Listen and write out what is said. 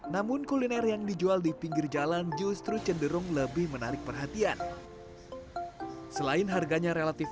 namun kuliner yang dijual di pinggir jalan justru cenderung lebih menarik perhatian